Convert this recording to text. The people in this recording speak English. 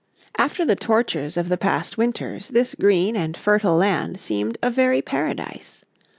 After the tortures of the past winters this green and fertile land seemed a very paradise.